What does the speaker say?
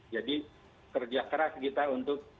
jadi kerja keras kita untuk